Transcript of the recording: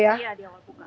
iya di awal buka